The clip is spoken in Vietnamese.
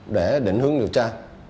để định hướng điều tra